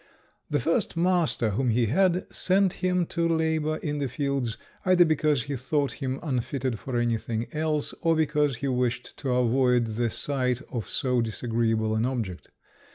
The first master whom he had sent him to labour in the fields, either because he thought him unfitted for anything else, or because he wished to avoid the sight of so disagreeable an object.